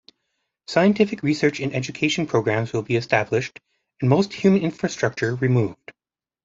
Scientific research and education programmes will be established and most human infrastructure removed.